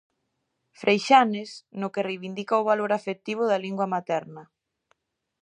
Freixanes, no que reivindica o valor afectivo da lingua materna.